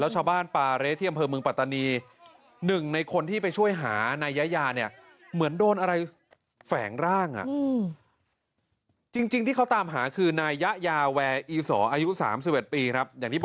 อย่ายอภารกิษตรงที่ไปหาคือเป็น